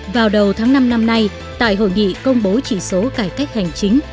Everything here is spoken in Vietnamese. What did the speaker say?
vào đầu tháng năm năm nay tại hội nghị công bố chỉ số cải cách hành chính